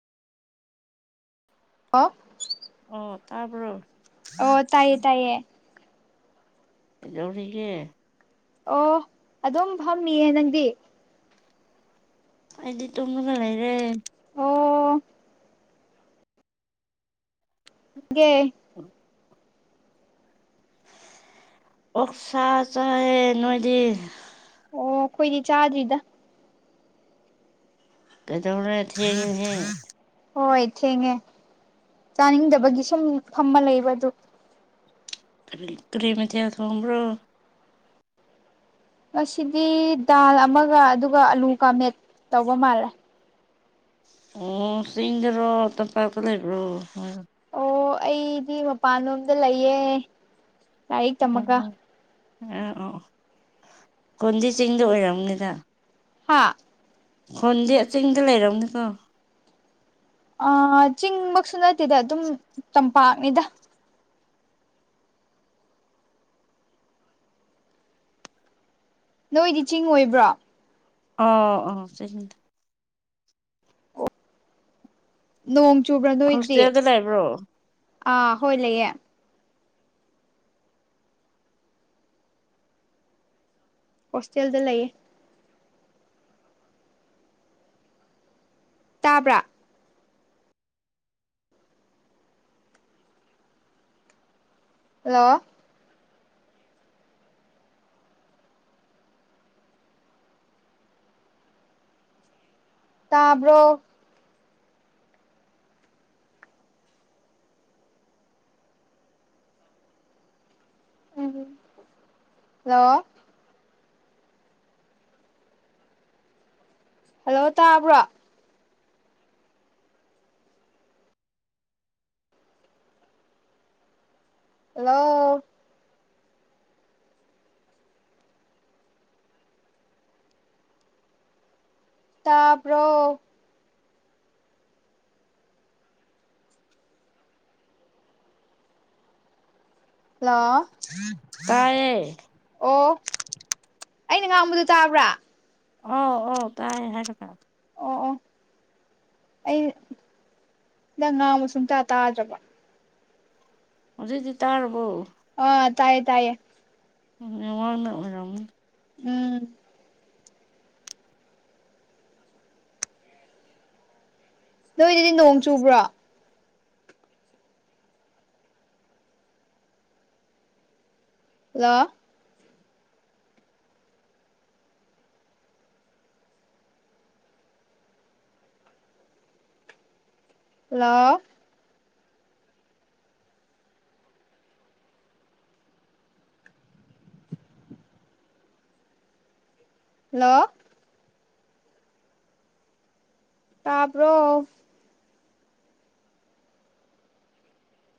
ꯑꯣ ꯑꯣ ꯇꯔꯕꯔ ꯑꯣ ꯇꯥꯏꯌꯦ ꯇꯥꯏꯌꯦ ꯑꯦꯖꯧꯒꯦ ꯑꯣ ꯑꯗꯨꯝ ꯐꯝꯃꯤꯌꯦ ꯅꯪꯗꯤ ꯍꯥꯏꯗꯤ ꯇꯣꯡꯕ ꯂꯩꯔꯦ ꯑꯣ ꯦ ꯎ ꯑꯣꯛꯁꯥ ꯆꯥꯏꯦ ꯅꯣꯏꯗꯤ ꯑꯣ ꯑꯩꯈꯣꯏꯗꯤ ꯆꯥꯗ꯭ꯔꯤꯗ ꯀꯩꯗꯧꯔ ꯊꯦ ꯍꯣꯏ ꯊꯦꯡꯉꯦ ꯆꯥꯅꯤꯡꯗꯕꯒꯤ ꯁꯨꯝ ꯐꯝꯕ ꯂꯩꯕ ꯑꯗꯨ ꯑ ꯀ꯭ꯔꯤꯃꯤ ꯊꯌꯥ ꯊꯨꯝ꯭ꯔꯣ ꯉꯁꯤꯗꯤ ꯗꯥꯜ ꯑꯃꯒ ꯑꯗꯨꯒ ꯑꯂꯨꯒ ꯃꯦꯠ ꯇꯧꯕ ꯃꯥꯜꯂꯦ ꯑꯣ ꯁꯤꯁꯤꯡꯗꯔꯣ ꯇ ꯄꯀ ꯂꯩꯕ꯭ꯔꯣ ꯑꯣ ꯑꯩꯗꯤ ꯃꯄꯥꯟꯂꯣꯝꯗ ꯂꯩꯌꯦꯦ ꯑꯣ ꯑꯥ ꯑꯣ ꯀꯣꯟꯗꯤ ꯆꯤꯡꯗ ꯑꯣꯏꯔꯝꯅꯤꯗ ꯍꯥ ꯈꯣꯟꯗꯤ ꯑ ꯆꯤꯡꯗ ꯂꯩꯔꯕꯅꯤꯀꯣ ꯑ ꯆꯤꯡꯃꯛꯁꯨ ꯅꯠꯇꯦꯗ ꯑꯗꯨꯝ ꯇꯝꯄꯥꯛꯅꯤꯗ ꯅꯣꯏꯗꯤ ꯆꯤꯡ ꯑꯣꯏꯕ꯭ꯔꯣ ꯑꯣ ꯑꯣ ꯁꯤꯖꯤꯗ ꯅꯣꯡ ꯆꯨꯕ꯭ꯔꯥ ꯅꯣꯏꯗꯤ ꯍꯣꯁꯇꯦꯜꯗ ꯂꯩꯕ꯭ꯔꯣ ꯑꯥ ꯍꯣꯏ ꯂꯩꯌꯦ ꯍꯣꯁꯇꯦꯜꯗ ꯂꯩꯌꯦ ꯇꯥꯕ꯭ꯔꯥ ꯍꯜꯂꯣ ꯇꯕ꯭ꯔꯣ ꯎꯝ ꯍꯜꯂꯣ ꯍꯜꯂꯣ ꯇꯥꯕ꯭ꯔꯣ ꯍꯜꯂꯣ ꯇꯥꯄꯔꯣ ꯍꯜꯂꯣ ꯇꯌꯦ ꯑꯣ ꯑꯩꯅ ꯉꯥꯡꯕꯗꯣ ꯇꯥꯕ꯭ꯔꯥ ꯑꯣ ꯑꯣ ꯇꯥꯏ ꯍꯥꯏꯦ ꯇꯀꯥ ꯑꯣ ꯑꯣ ꯑꯩꯗꯪ ꯉꯥꯡꯕ ꯁꯨꯝꯇꯥ ꯇꯥꯗ꯭ꯔꯕ ꯍꯧꯖꯤꯩꯗꯤ ꯇꯥꯔꯕꯨ ꯑ ꯇꯥꯏꯌꯦ ꯇꯥꯏꯌꯦ ꯎꯝ ꯋꯥꯅ ꯑꯣꯏꯔꯝ ꯎꯝ ꯅꯣꯏꯗꯨꯗꯤ ꯅꯣꯡ ꯆꯨꯕ꯭ꯔꯣ ꯍꯂꯣ ꯍꯜꯂꯣ ꯍꯜꯂꯣ ꯇꯄꯔꯣ